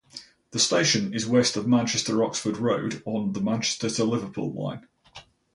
The station is west of Manchester Oxford Road on the Manchester to Liverpool Line.